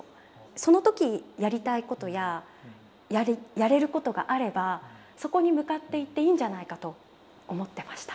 その時やりたいことややれることがあればそこに向かっていっていいんじゃないかと思ってました。